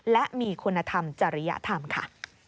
และมีคุณธรรมจริยธรรมค่ะ